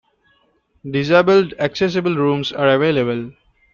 Disabled accessible rooms are available.